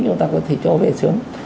chúng ta có thể cho về sớm